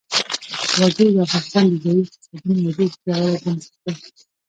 وګړي د افغانستان د ځایي اقتصادونو یو ډېر پیاوړی بنسټ دی.